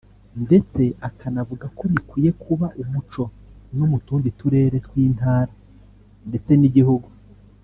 ndetse akanavuga ko bikwiye kuba umuco no mu tundi turere tw’intara ndetse n’gihugu